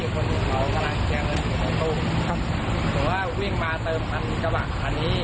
ก็เดินเข้าไปเอากระเป๋าเงินมาวางกันตรงทุกวันนี้